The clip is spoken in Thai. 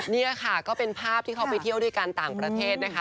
นี่ค่ะก็เป็นภาพที่เขาไปเที่ยวด้วยกันต่างประเทศนะคะ